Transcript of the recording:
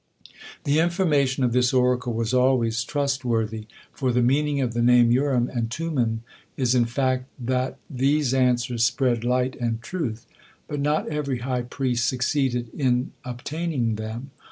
The information of this oracle was always trustworthy, for the meaning of the name Urim and Tummim is in the fact that "these answers spread light and truth," but not every high priest succeeded in obtaining them.